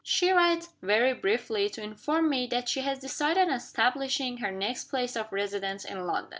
She writes, very briefly, to inform me that she has decided on establishing her next place of residence in London.